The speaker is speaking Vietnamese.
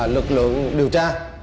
lực lượng điều tra